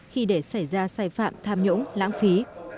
khi để xảy ra sai phạm tham nhũng lãng phí